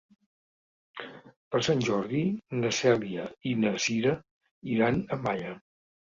Per Sant Jordi na Cèlia i na Cira iran a Malla.